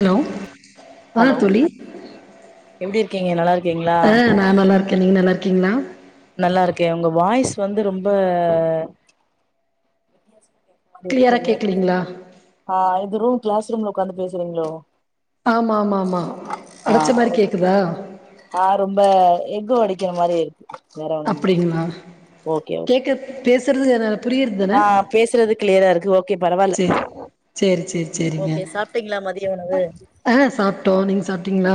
hello வாங்க தோழி கேங்க நல்லாரு ஆ நா நல்லா இருக்கேன் நீங்க நல்லா இருக் கிங்ளா நல்லா இருக்கேன் உங்க வாய்ஸ் வந்து ரொம்ப இருக்கே கிளியரா நேத்தே கேக்கலீங்களா ஆ இது ரு கிளாஸ் ரூம்ல உக்காந்து பேசுறீங்ளோ ஆம்மா மா மா அடச்ச மாரி ஓகே கேக்குதா க்கிற மாரி இருக்கு வேற ஒண்ணு இல்ல அப்டிங்லா ஓகே ஓகே கேக்க பேஸ் திருது என ஆ பேசுறது க்ளியரா இருக்கு ஓகே பரவால செரிங்க ஆ சாப்ட்டோ நீங்க சாப்ட்டீங்ளா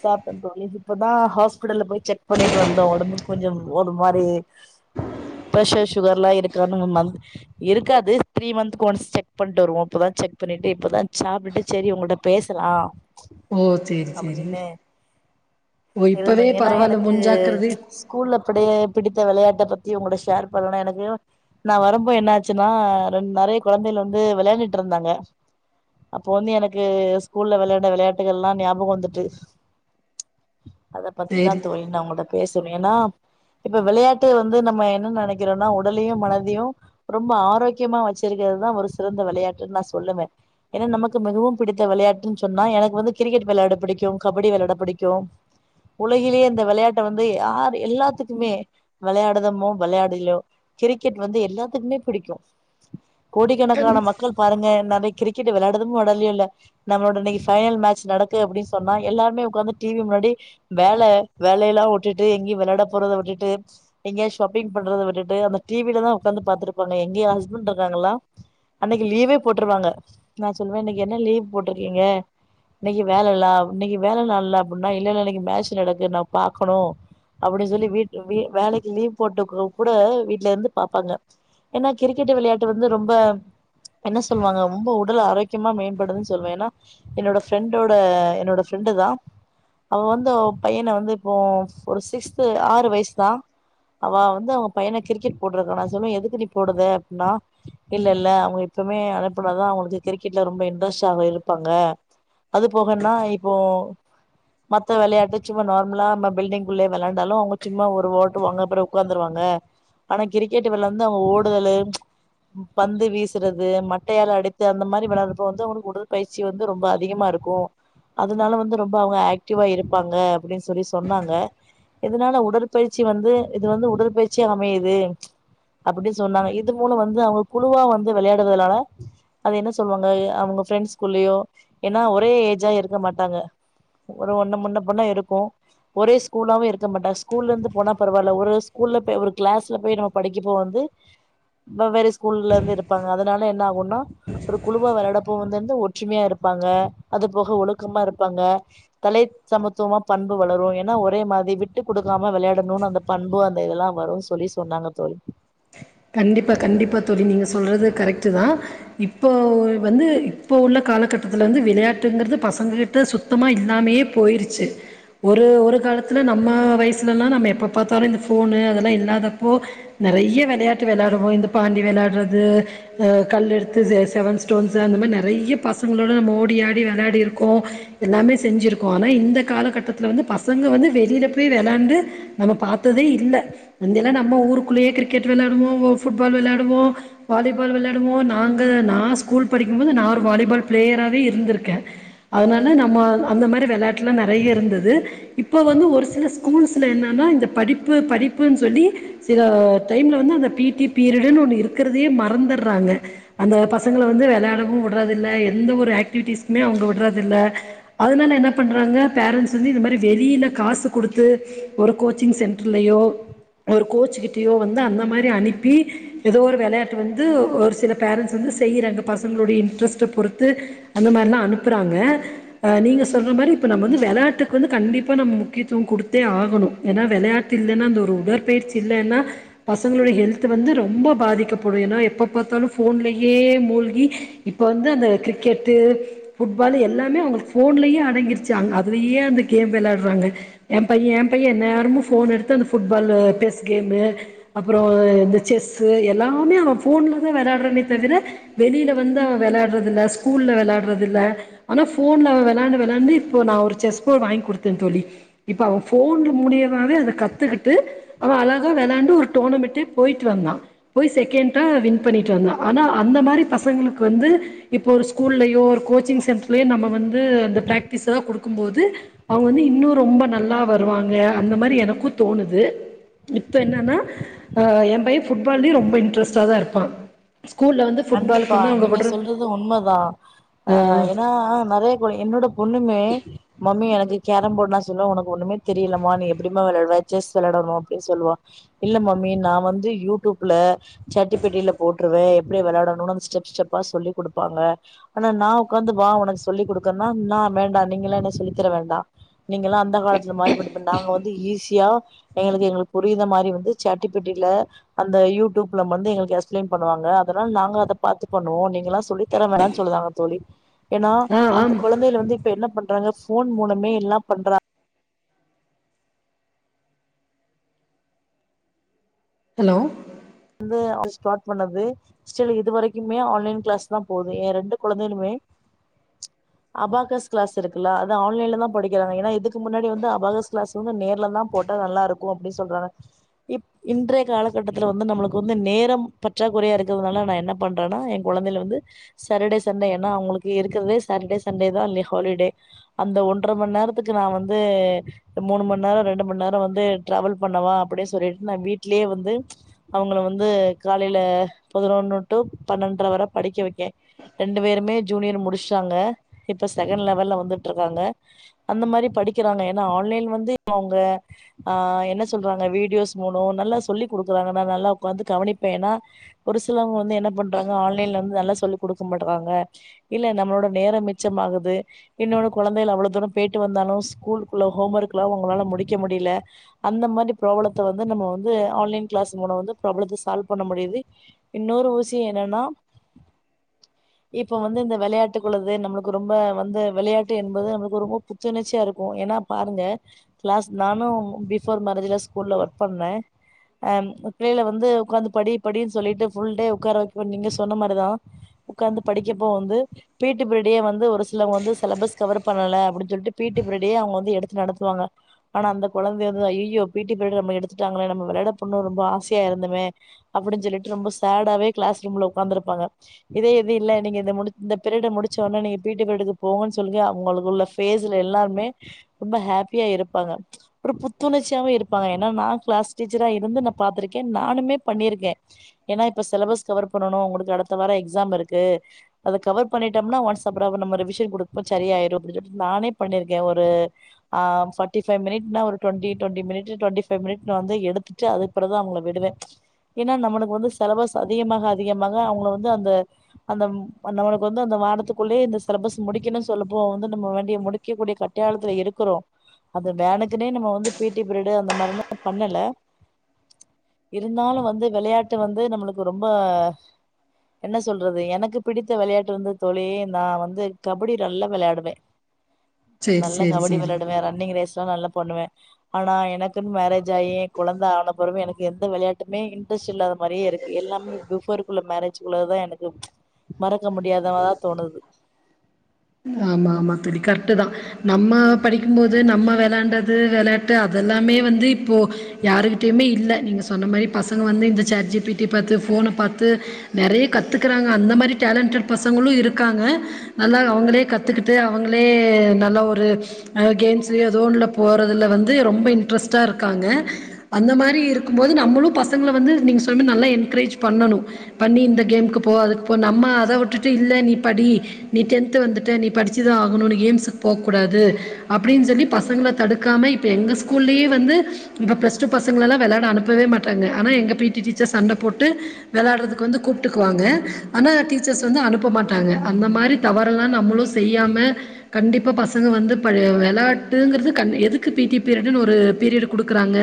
சாப்டேன் தோழி இப்பதா ஹாஸ்பிடல்ல போய் செக் பண்ணிட்டு வந்தோ ஒடம்புக் கொஞ்சோ ஒரு மாரி ப்ரஷர் சுகர்ல்லா இருக்கானு [unintelligible] இருக்காது த்ரீ மன்ந்த் ஒன்ஸ் செக் பண்ட்டு வருவோ இப்பதா செக் பண்ணிட்டு இப்பதா சாப்ட்டுட்டு சேரி உங்கள்ட்ட பேசலா ஓ சேரி சேரி அப்படினு ஓ இருந்தோ இப்பவே ஏன்னா பரவால்ல எனக்கு முன்ஜாக்கிரதை ஸ்கூல்ல அப்டியே பிடித்த வெளையாட்ட பத் இவங்கட ஷேர் பண்லனா எனக்கு நான் வரும்போ என்ன ஆச்சுன்னா ரெண்டு நறைய குழந்தைகள் வந்து விளையாடிட்டு இருந்தாங்க அப்போ வந்து எனக்கு ஸ்கூல்ல விளையாண்ட விளையாட்டுகள் லா ஞாபகம் வந்து டிஷ் அத பத்தி தா சேரி தோழி நா உங்கட்ட பேசணும் ஏனா இப்ப விளையாட்டு வந்து நம்ம என்ன நினைக்கிறோனா உடலையும் மனதையும் ரொம்ப ஆரோக்கியமா வச்சிருக்கிறதுதான் ஒரு சிறந்த விளையாட்டுன்னு நா சொல்லுவேன் ஏன்னா நமக்கு மிகவும் பிடித்த விளையாட்டுன்னு சொன்னா எனக்கு வந்து கிரிக்கெட் விளையாட பிடிக்கு க்கு கபடி வெளாட பிடிக்கு உலகிலேயே இந்த வெளையாட்ட வந்து யார் எல்லாத்துக்குமே வெளையாடுதமோ விளையாடலயோ கிரிக்கெட் வந்து எல்லாத்துக்குமே பிடிக்கு கோடிக்கணக்கான மக்கள் பாருங்க நிறய கிரிக்கெட் விளாதும் உடல இல்ல நம்மளட இன்னைக்கு பைனல் மேட்ச நடக்குத்துன்னு அப்படின்னு எலாருமே வகாந்த் டிவி முன்னாடி வேலை வேலையெல்லாம் விட்டுட்டு எங்கையும் விளையாட போறதை விட்டுட்டு எங்க ஷாப்பிங் பண்றதை விட்டுட்டு அந்த டிவிலதான் உட்காந்து பாத்துருப்பாங்க எங்க ஹஸ்பண்ட் இருக்காங்களாம் அன்னைக்கு லீவே போட்டிருவாங்க நான் சொல்லுவேன் இன்னைக்கு என்ன லீவ் போட்டிருக்கீங்க இன்னைக்கு வேலல்லாம் இன்னைக்கு வேல நள்ல அப்படின்னா இல்லலை இன்னைக்கு மேட்ச் நடக்கு நா பாார்க்கணு அப்படின்னு சொல்லி வீட் வீ வேலைக்கு லீவ் போட்டு கூட வீட்டுல இருந்து பாார்பப்பாங்க ஏன்னா கிரிக்கெட் விளையாட்டு வந்து ரொம்ப என்ன சொல்லுவாங்க ரொம்ப உடல் ஆரோக்கியமா மேம்படுதுன்னு சொல்லுவேன் ஏன்னா என்னோட ஃப்ரெண்டோட என்னோட ஃபிரண்டு தான் அவ வந்து பையனை வந்து இப்போ ஒரு சிக்ஸ்து ஆறு வயசு தான் அவ வந்து அவங்க பையனை கிரிக்கெட் போட்டிருக்க நா சொல்லுவேன் எதுக்கு நீ போடுது அப்படின்னா இல்ல இல்ல அவங்க எப்பவுமே அனுப்பினாதான் அவங்களுக்கு கிரிக்கெட்ல ரொம்ப இன்ட்ரெஸ்ட் ஆக இருப்பாங்க அது போகனா இப் இப்போ மத்த வெளையாட்டு சும்மா நார்மலா நம்ம பில்டிங்குள்ளே வெளாண்டாலு அவங்க சும்மா ஒரு ஓட்டுவாங்க அப்பறோ உக்காந்துருவாங்க ஆனா கிரிக்கெட்டு் வெளந்து அவே ஓடுதலு ச் பந்து வீசுறது மட்டையால அடித்து அந்த மாதிரி வெளையாட்றப்ப வந்து அவனுக்கு வந்துஉடல் பயிற்சி வந்து ரொம்ப அதிகமா இருக்கு அதனால வந்து ரொம்ப அவங்க ஆக்டிவா இருப்பாங்க அப்டின்னு சொல்லி சொன்னாங்க இதனால உடற்பயிற்சி வந்து இது வந்து உடற்பயிற்சி அமையுது அப்டின்னு சொன்னாங்க இது மூலம் வந்து அவங்க குழுவா வந்து விளையாடுறதுனால அது என்ன சொல்லுவாங்க அவங்க ஃப்ரெண்ட்ஸ்க்குள்ளயே ஏன்னா ஒரே என்ஜாய் இரு இருக்க மாட்டாங்க ஒரு ஒன்னு முன்ன பின்ன இருக்கு ஒரே ஸ்கூலாவும் இருக்க மாடாங்க ஸ்கூல்ல இருந்து போனா பரவலா ஒரு ஸ்கூல்ல போய் ஒரு கிளாஸ்ல போய் நம்ம படிக்கப்போ வந்து வெவ்வேறு ஸ்கூல்ல இருந்து இருப்பாங்க அதனால என்னாகுனா ஒரு குழுவா விளையாடப்போந்து ஒற்றுமையா இருப்பாங்க அது போக ஒழுக் க்கமா இருப்பாங்க தல சமத்துவமா பண்பு வளரோ ஏன்னா ஒரே மாதிரி விட்டு கொடுக்காம விளையாடணும்னு அந்த பண்பு அந்த இதெல்லாம் வரும் சொல்லி சொன்னாங்க தோழி கண்டிப்பா கண்டிப்பா தோழி நீங்க சொல்றது கரெக்டு தான் இப்போ வந்து இப்போ உள்ள காலகட்டத்தில் வந்து விளையாட்டுங்கிறது பசங்க கிட்ட சுத்தமாக இல்லாமே போயிருச்சு ஒரு ஒரு காலத்துல நம்ம வயசுலலாம் நம்ம எப்போ பார்த்தாலும் இந்த போனு அதெல்லாம் இல்லாதப்போ நெறைய விளையாட் டு விளையாடுவோம் இந்த பாண்டி விளையாடுறது இந்தக் கல்லை எடுத்து செ செவன் ஸ்டோன்ஸ் அந்த மா நெறைய பசங்களோடு நம்ம ஓடிாடி விளாடி இருக்கோம் எல்லாமே செஞ்சிருக்கோம் ஆனா இந்த காலகட்டத்தில் வந்து பசங்க வந்து வெளியில போய் விளையாண்டு நம்ம பார்த்ததே இல்லல்லாம் நம்ம ஊருக்குள்ளேயே கிரிக்கெட் விளைய [unintelligible] புட்பால் விளையாட்டுவோம் வாலிபால் விளையாடவோம் நாங்க நா ஸ்கூல் படிக்க போது நா ஒரு வாலிபால் பிளையேராவே இருந்துக்கேன் அதானால நம்ம அந்த மாரி விளையாட் டலாம் நெறைய இருந்தது இப்ப வந்து ஒரு சில ஸ்கூல்ஸ்ல என்னன்னா இந்த படிப்பு படிப்புன்னு சொல்லி சில டைம்ல வந்து அந்த பீட்டீ பீரியடுன்னு ஒன்னு இருக்குறதே மறந்தராங்க அந்த பசங்கள வந்து விளையாடவும் உடுரது இல்ல எந்த ஒரு ஆக்டி விட்டிஸ்க்குமே அவுங்க விடுரது இல்ல அதனால என்ன பன்ராக பேரன்ஸ் வந்து இந்த மாதிரி வெளில காசு கொடுத்து ஒரு கோச்சிங் சென்ரலயோ ஒரு கோச்சி கிட்டயோ வந்து அந்த மாரி அனுப்பி எதோ ஒரு விளையாட்டு வந்து ஒரு சில பேரன்ஸ் செய்ராக பசங்களோட இன்ரஸ்ட் பொருத்து அந்த மாதிரிலாம் அனுப்புராக அ நீங்க சொல்ர மாரி இப்போ நம்ப வந்து விளயாட்டுக்கு வந்து கண்டிபா நம்ப முக்கியமத்துவோம் கொடுத்தே ஆகனும் ஏனா விளயாட்டு இல்லனா அந்த ஒரு உடற் பயிர்சி இல்லனா பச பசங்களுடைய ஹெல்த் வந்து ரொம்ப பாதிக்கப்படும் ஏன்னா எப்ப பாத்தாலும் போன்லயே மூழ்கி இப்ப வந்து அந்த கிரிக்கெட்டு புட்பால் எல்லாமே அவங்களுக்கு போன்லயே அடங்கிருச்சு அதுலயே அங் அதிலேயே கேம் விளையாடுறாங்க ஏ பையன் ஏ பையன் என்நேரம் போன் எடுத்து அந்த புட்பால் பேஸ் கேமு அப்புறம் இந்த செஸ்ஸு எல்லாமே அவ ஃபோனில் தான் விளாடுறனே தவிர வெளியில் வந்து அவ விளாடுறது இல்லை ஸ்கூலில் விளாடுறத இல்லை ஆனா ஃபோனில் அவ விளையாண்டு விளாண்டு இப்போது நான் ஒரு செஸ் போ வாங்கி கொடுத்தேன் தோழி இப்போ அவ ஃபோன் மூலியமாகாவவே அதை கற்றுக்கிட்டு அவ அழகாக விளாண்டு ஒரு டோர்னமெண்ட்டு போய்ட்டு வந்தா போய் செகென்டா வின் பண்ணிட்டு வந்தா ஆனா அந்த மாரி பசங்களுக்கு வந்து இப்போ ஒரு ஸ்கூல்லயோ ஒரு கோச்சிங் சென்டர்லயோ நம்ம வந்து அந்த பிராக்டிஸ்லாம் கொடுக்கும்போது அவங்க வந்து இன்னும் ரொம்ப நல்லா வருவாங்க அந்த மாரி எனக்கு தோணுது இப்ப என்னன்னா ஆ என் பைய புட்பாலலேயும் ரொம்ப இன்ட்ரெஸ்டா தான் இருப்பான் கண்டிப்பா நீங்க சொல்றதும் உண்மதான் ஆ எனா நெறை ப்ப என்னோட இன்னுமே மம்மி எனக் இ கேரம் போர்டுனா சொல்லு உனக்கு ஒண்ணுமே தெரியலம்மா நீ எப்படிமா விளையாடுவ செஸ் விளாடணும் அப்படின்னு சொல்லுவா இல்ல மம்மி நா வந்து யூடியூப்ல சட்டி பெட்டியில போட்டுருவேன் எப்படி வெளயாடனும்னு அந்த ஸிடெப் ஸிடெப்பா சொல்லிகொடுப்பாங்க ஆனா நா உட்காந்து வா உனக்கு சொல்லி கொடுக்கறனா நா வேண்டாம் நீங்கலாம் எனக்கு சொல்லித்தர வேண்டா நீங்கலாம் அந்த காலத்துல மாறி பட் நாங்க வந்து ஈஸியா எங்களுக்கு எங்களுக்கு புரிய மாரி வந்து சாட்ஜீபீட்டியில அந்த யூடிப்ள வந்து எக்ஸ்பிளைன் பண்ணுவாங்க அதலா நாங்க அத பாத்து பண்ணுவோ நீங்கலாம் சொல்லி தர வேனானு சொல்லுராங்க தோழி ஏன்னா ஆ அந்த ஆம் கொழந்தைல வந்து இப்ப என்ன பண் பண்றாங்க போன் மூலமே எல்லா பண்றாங் ஹலோ வந்து அவுங்க ஸ்டாட் பன்னது ஸ்டில் இது வரைக்குமே ஆன்ளைன் கிலாஸ்தா போது ஏ இரண்டு கொழந்தைகளுமே அபாகஸ் கிலாஸ் இருக்குல அத ஆன்லைன்ல படிக்கிறாக ஏனா இதுக்கு முன்னாடி வந்து அபாகஸ் கிலாஸ் வந்து நேர்லதா போட்டா நல்லாருக்கும் அப்டி சொல்றாங்க இப் இன்றய காலக்கட்டதுல வந்து நம்மளு எனக்கு வந்து நேரம் பற்றாக்குறையா இருக்குறதுனால நா என்ன பண்றேன்னா என் கொழந்தைகல வந்து சாட்டர்டே சண்டே ஏன்னா அவங்களுக்கு இருக்கிறதே சாட்டர்டே சண்டே தான் இல்ல ஹாலிடே அந்த ஒன்ற மணி நேரத்துக்கு நா வந்து மூணு மணி நேரம் ரெண்டு மணி நேரம் வந்து ட்ராவல் பண்ணவா அப்டின்னு சொல்லிட்டு நா வீட்லயே வந்து அவங்கள வந்து காலையில பதினொன்னு டு பன்னெண்டரை வரை படிக்க வைக்கேன் ரெண்டு பேருமே ஜூனியர் முடிச்சட்டாங்க இப்ப செகண்ட் லெவல்ல வந்துட்டு இருக்காங்க அந்த மாதிரி படிக்கிறாங்க ஏன்னா ஆன்லைன் வந்து இப்ப அவங்க ஆ என்ன சொல்றாங்க வீடியோஸ் மூலம் நல்லா சொல்லி கொடுக்குறாங்க நா நல்லா ஒக்காது கவனிப்ப ஏன்னா ஒரு சிலவங்க வந்து என்ன பண்றாங்கா ஆன்லைன்ல வலந்து நல்லா சொல்லி கொடுக்க மாட்டறாங்க இல்ல நம்மளோட நேரம் மிச்சம் ஆகுது இன்னொன்னு கொழந்தை அவ்ளவு தூரம் போய்டு வந்தாலும் ஸ்கூலுக்குள்ள ஹோம்ஒர்க்லாம் அவங்களால முடிக்க முடியல அந்த மாதிரி பிராபலத்தை வந்து நம்ம வந்து ஆன்லை கிளாஸ் மூணு வந்து பிராப்பளத்த சால்வ் பண்ண முடியுது இன்னொரு விசியம் என்னன்னா இப்ப வந்து இந்த விளையாட்டுக்குள்ளது நம்மளுக்கு ரொம்ப வந்து விளையாட்டு என்பது நம்மளுக்கு ஒரு ரொம்ப புத்துணர்ச்சியா இருக்கும் ஏன்னா பாருங்க கிளாஸ் நானும் பிபோர் மேரேஜ்ல ஸ்கூல்ல ஒர்க் பண்ணே அம் புள்ளையில வந்து ஓக்காந்து படி படின்னு சொல்லிட்டு புல்டே ஒட்கார வ நீங்க சொன்ன மாதிரிதான் உட்காந்து படிக்கப்போ வந்து பீட்டீ பிரியடு வந்து ஒரு சிலவங்க வந்து சிலபஸ் கவர் பண்ணலை அப்படின்னு சொல்லிட்டு பீட்டீ பீரியட அவங்க வந்து எடுத்து நடத்துவாங்க ஆனா அந்த கொழந்தைக வந்து ஐயோ பீட்டீ பீரியட வந்து நம்ம எடுத்துட்டாங்களே நம்ம விளையாட அப்பின்னு ரொம்ப ஆசையா இருந்தமே அப்படினு சொல்லிடு ரொம்ப சாடாவே கிளாஸ் ரூம்ல உக்காந்துருப்பாங்க இதே எது இல்ல நீக இத இந்த பீரியட முடிச்சோனே பீட்டி பீரியடுக்கு போகனு சொல்லி அவுங்களுக்குள்ள பேஸ்ல எல்லாமே ரொம்ப ஹாப்பியா இருப்பாங்க ஒரு புத்துணர்ச்சியாவும் இருப்பாங்க ஏன்னா நா கிளாஸ் டீச்சர் [unintelligible] எனப் பா்த்திருக்கேன் நானுமே பண்ணிருக்கே ஏனா இப்ப சிலபஸ் கவர் பன்னனும் உங்களுக்கு அடுத்த வாரம் எக்சாம் இருக்கு அத கவர் பன்னிடோம்னா ஒன்ஸ் அப்ரோ அத ரிவிசன் குடுக்கப்பச்சரி ஆகிடும் நானே பன்னிருக்க ஒரு ஆ பாடிபய் மினிட்னா ஒரு twenty twenty minute twenty minute நா வந்து எடுத்துப் நம்மளுக்கு வந்து சிலபஸ் அதிகமாக அதிகமாக அவங்கள வந்து அந்த அந்த நம்மளுக்கு வந்து அந்த வாரத்துக்குள்ளயே இந்த சிலபஸ் முடிக்கணும்னு சொல்லப்போ வந்து நம்ம வேண்டிய முடிக்கக்கூடிய கட்டாயத்துல இருக்கிறோ அது வேனுக்குனே நம்ம வந்து பிடி பீரியடு அந்த மாரிலா பண்ணல இருந்தாலும் வந்து வெளையாட்டு வந்து நம்மளுக்கு ரொம்ப என்ன சொல்றது எனக்கு பிடித்த விளையாட்டு வந்து தோழி நா வந்து கபடி நல்லா விளையாடுவே சேரி நல்ல சேரி கபடி சேரி விளையாடுவேன் ரன்னிங் ரேஸ்லா நல்லா பண்ணுவேன் ஆனா எனக்குன்னு மேரேஜ் ஆயி கொழந்தை ஆனப்புறமே எனக்கு எந்த விளையாட்டுமே இன்ட்ரெஸ்ட் இல்லாத மாதிரியே இருக்கு எல்லாமே பிபோர்கக்குுள்ள மேரேஜ்க்குள்ளதான் எனக்கு மறக்க முடியாததா தோணுது ஆமா ஆமா தோழி கரெக்டு தா நம்ம படிக்கும்போது நம்ம வெலான்டது விளையாட்டு அதெல்லாமே வந்து இப்போ யாருக்கிட்டயுமே இல்லை நீங்க சொன்ன மாதிரி பசங்க வந்து இந்த சார்ஜீ பீட்டி பார்த்து போனை பார்த்து நிறைய கத்துக்குராக அந்த மாதிரி டேலண்டட் பசங்களும் இருக்காங்க அதனால அவங்களே கத்து கத்துக்கிட்டு அவங்களே நல்ல ஒரு கேம்ஸ் ஏதோ ஒன்னுல போறதுல வந்து ரொம்ப இன்ட்ரஸ்டா இருக்காங்க அந்த மாரி இருக்கும்போது நம்முளும் பசங்கள வந்து நீங் சொல்லுங்க நல்லா என்கரேஜ் பண்ணனு பன்னி இந்த கேமுக்கு போ அதுக்கு போ நம்ம அத உட்டுட்டு இல்ல நீ படி நீ டென்த் வந்துட்ட நீ படிச்சி தா ஆகணுன் கேம்ஸுக் போக்கூடாது அப்டின் சொல்லி பசங்கள தடுக்காம இப்ப எங்க ஸ்கூல்லயே வந்து இப்ப ப்ளஸ் டூ பசங்களெலா வெளாட அனுப்பவே மாட்டாங்க ஆனா எங்க பீ டி டீச்சர் சண்ட போட்டு விளையாடுறதுக்கு வந்து கூப்பிட்டுக்குவாங்க ஆனா டீச்சர்ஸ் வந்து அனுப்பமாட்டாங்க அந்த மாரி தவறெலாம் நம்மளும் செய்யாம கண்டிப்பா பசங்க வந்து பா வெளாயாட்டுங்கிறது கன் எதுக்கு பீ டி பீரியடுனு ஒரு பீரியடு குடுக்குறாங்க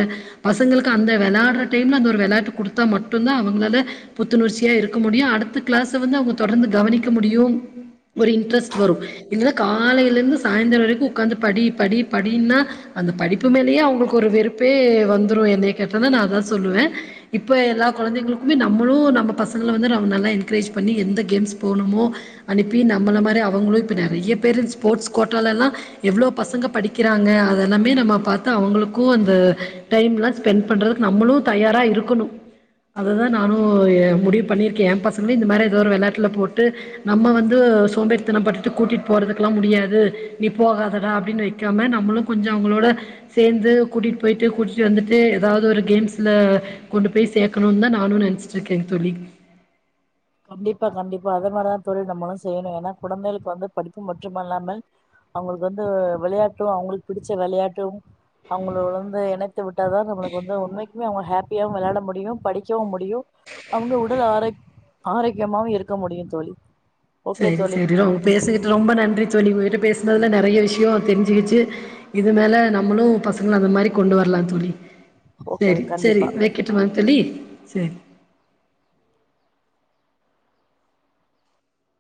பசங்களுக்கு அந்த விளையாடுற டைம்ல அந்த விளையாட்டு கொடுத்தா மட்டும்தான் அவங்களால புத்துணர்ச்சியா இருக்க முடியும் அடுத்த க்ளாசு வந்து அவங்க தொடர்ந்து கவனிக்க முடியும் ஒரு இன்ட்ரெஸ்ட் வரும் இல்லைனா காலையிலருந்து சாய்ந்திரம் வரைக்கு உக்காந்து படி படி படின்னா அந்த படிப்பு மேலயே அவங்களுக்கு ஒரு வெறுப்பே வந்துடரு என்னைக் கேட்டால் நா அத தா சொல்லுவேன் இப்போ எல்லா குழந்தைங்களுக்குமே நம்மளும் நம்ம பசங்கள வந்து நம்ம நல்லா என்கரேஜ் பண்ணி எந்த கேம்ஸ் போகணுமோ அனுப்பி நம்மள மாரி அவ அவங்களும் இப்ப நறைய பேரண்ட்ஸ் ஸ்போர்ட்ஸ் கோட்டாலல்லா எவ்ளோ பசங்க படிக்கிறாங்க அதெல்லாமே நம்ம பாத்து அவங்களுக்கு அந்த டைம்லா ஸ்பெண்ட் பண்றதுக்கு நம்மளும் தயாரா இருக்கணு அததா நானு முடிவு பண்ணியிருக்கேன் ஏ பசங்களும் இந்த மாரி எதாவது ஒரு விளையாட்டல போட்டு நம்ம வந்து சோம்பேறி இது நம்ம பட்டுட்டு கூட்டிட் போறதுக்கெல்லாம் முடியாது நீ போகாதடா அப்படின்னு வைக்காம நம்மளும் கொஞ்சம் அவங்களோட சேந்து கூட்டிட்டு போயிட்டு கூட்டிட்டு வந்துட்டு ஏதாவது ஒரு கேம்ஸ்ல கொண்டு போய் சேக்கணும்னு தான் நானும் நெனச்சுட்டு இருக்கேன் தோலிக் கண்டிப்பா கண்டிப்பா அது மாரிதா தோழி நம்மளும் செய்யணும் ஏன்னா கொழந்தைகளுக்கு வந்து படிப்பு மட்ற்றும்மல்லாமல் அவங்களுக்கு வந்து விளையாட்டும் அவங்களுக்கு பிடிச்ச விளையாட்டும் அவங்க வந்து இணைத்து விட்டாதான் நம்மளுக்கு வந்து உண்மைக்குமே அவங்க ஹாப்பியாவு விளையாட முடியும் படிக்கவும் முடியும் அவங்க உடல் ஆரோக் ஆரோக்கியமாவு இருக்க முடியு தோழி ஓகே செரி தோழி செரி அவுகட பேசுகிட்டு ரொம்ப நன்றி தோழி உங்ககிட்ட பேச துல நறைய விஷயம் தெரிஞ்சுக்கிச்சு இது மேல நம்மளும் பசங்களும் அந்த மாரி கொண்டு வரலா தோழி ஓகே செரி கண்டிப்பா செரி வைக்கட்டுமா தோழி செரி